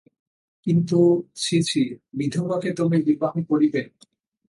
কিন্তু ছি ছি, বিধবাকে তুমি বিবাহ করিবে!